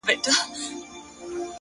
خو خپه كېږې به نه ـ